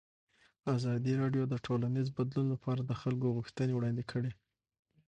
ازادي راډیو د ټولنیز بدلون لپاره د خلکو غوښتنې وړاندې کړي.